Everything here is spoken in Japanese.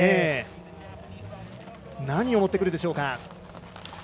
何を持ってくるでしょうか。